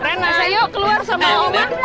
rena sayang yuk keluar sama oma